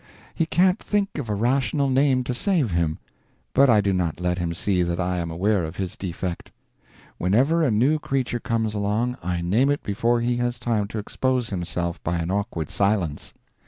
He can't think of a rational name to save him, but I do not let him see that I am aware of his defect. Whenever a new creature comes along I name it before he has time to expose himself by an awkward silence.